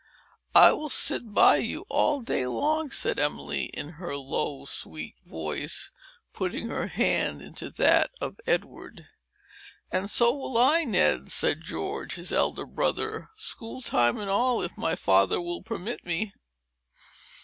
"I will sit by you all day long," said Emily, in her low, sweet voice, putting her hand into that of Edward. "And so will I, Ned," said George, his elder brother,—"school time and all, if my father will permit me."